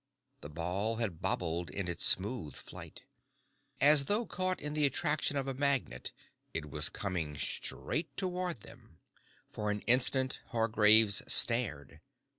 The ball had bobbled in its smooth flight. As though caught in the attraction of a magnet it was coming straight toward them. For an instant, Hargraves stared.